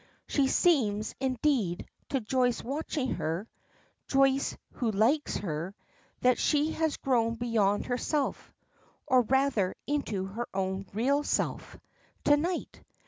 She seems, indeed, to Joyce watching her Joyce who likes her that she has grown beyond herself (or rather into her own real self) to night.